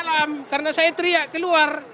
masih di dalam karena saya teriak keluar